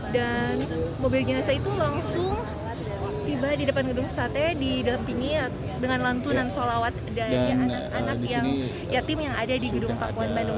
dan mobil jenazah itu langsung tiba di depan gedung saatnya di dalam tinggi dengan lantunan sholawat dari anak anak yatim yang ada di gedung pakuan bandung